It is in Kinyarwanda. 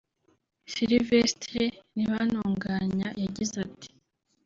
Sylvestre Ntibantunganya yagize ati